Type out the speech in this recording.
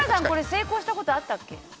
成功したことあったっけ？